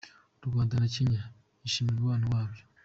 U Rwanda na Kenya byishimira umubano wabyo